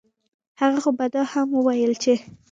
هغه خو به دا هم وييل چې